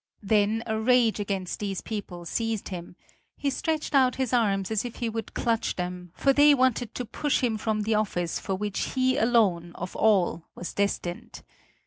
Then a rage against these people seized him: he stretched out his arms as if he would clutch them, for they wanted to push him from the office for which he alone, of all, was destined.